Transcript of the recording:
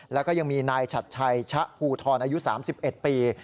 แล้วก็ยังมีนายชัดชัยชะภูทรอายุ๓๑ปี